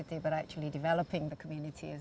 tetapi juga membangun komunitas